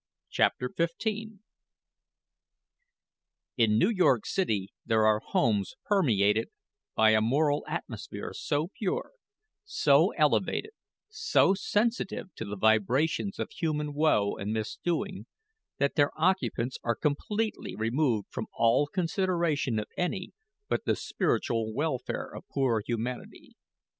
CHAPTER XV In New York City there are homes permeated by a moral atmosphere so pure, so elevated, so sensitive to the vibrations of human woe and misdoing, that their occupants are removed completely from all consideration of any but the spiritual welfare of poor humanity.